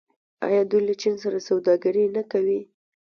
آیا دوی له چین سره سوداګري نه کوي؟